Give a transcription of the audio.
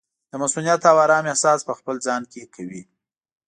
د مصؤنیت او ارام احساس پخپل ځان کې کوي.